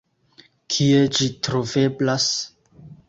Kie ĝi troveblas?